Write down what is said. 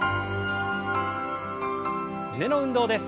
胸の運動です。